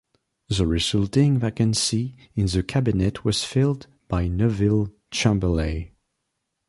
The resulting vacancy in the Cabinet was filled by Neville Chamberlain.